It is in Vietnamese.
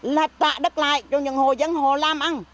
là trả đất lại cho những hồ dân họ làm ăn